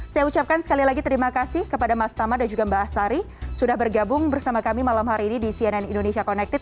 saya ucapkan sekali lagi terima kasih kepada mas tama dan juga mbak astari sudah bergabung bersama kami malam hari ini di cnn indonesia connected